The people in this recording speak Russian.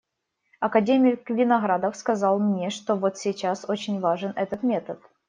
Академик Виноградов сказал мне, что вот сейчас очень важен этот метод.